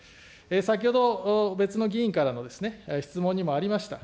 先ほど、別の議員からの質問にもありました。